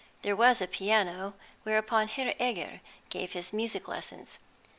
There was a piano, whereon Herr Egger gave his music lessons.